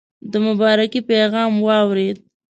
د مبارکی پیغام واورېد.